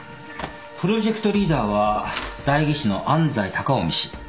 プロジェクトリーダーは代議士の安斎高臣氏。